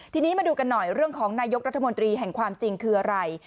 ทีนี้มาดูกันหน่อยเรื่องของนายกรัฐมนตรีแห่งความจริงคืออะไร